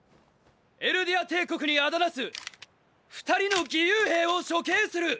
エルディア帝国に仇なす二人の義勇兵を処刑する！！